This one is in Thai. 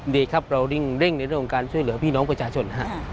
ดีครับเราเร่งในโรงการช่วยเหลือพี่น้องประชาชน